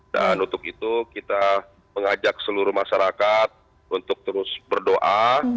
dan untuk itu kita mengajak seluruh masyarakat untuk terus berdoa